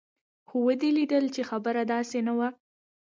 خو ودې ليدل چې خبره داسې نه وه.